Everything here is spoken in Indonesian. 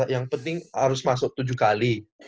yang penting harus masuk tujuh kali